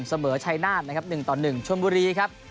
เสมอชายนาฬ๑๑ชวนบุรีครับ